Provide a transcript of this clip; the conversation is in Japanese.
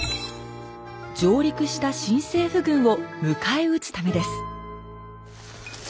上陸した新政府軍を迎え撃つためです。